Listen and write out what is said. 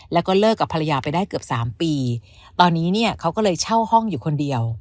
แล้วก็เลิกกับภรรยาไปได้เกือบสามปีตอนนี้เนี่ยเขาก็เลยเช่าห้องอยู่คนเดียว